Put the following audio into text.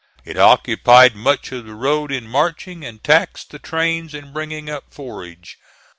It occupied much of the road in marching, and taxed the trains in bringing up forage.